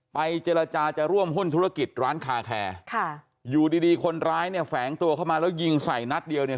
เจรจาจะร่วมหุ้นธุรกิจร้านคาแคร์ค่ะอยู่ดีดีคนร้ายเนี่ยแฝงตัวเข้ามาแล้วยิงใส่นัดเดียวเนี่ย